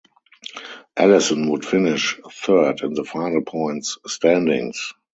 Allison would finish third in the final points standings.